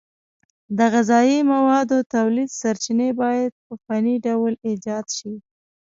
د غذایي موادو تولید سرچینې باید په فني ډول ایجاد شي.